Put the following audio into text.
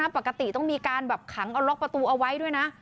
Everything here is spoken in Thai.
ปกติต้องมีการแบบขังเอาล็อกประตูเอาไว้ด้วยนะ